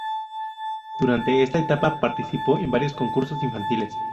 Durante esta etapa participó en varios concursos infantiles.